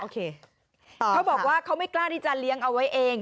เขาบอกว่าเขาไม่กล้าที่จะเลี้ยงเอาไว้เอง